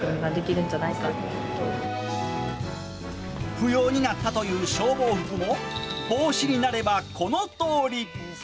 不要になったという消防服も帽子になればこのとおり。